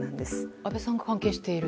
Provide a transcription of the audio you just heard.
安倍さんが関係していると。